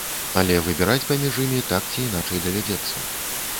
Але выбіраць паміж імі, так ці іначай, давядзецца.